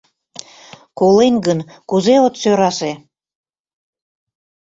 — Колен гын, кузе от сӧрасе?